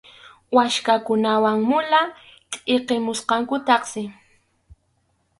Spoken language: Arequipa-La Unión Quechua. Waskhakunawan mula tʼiqimusqankutaqsi.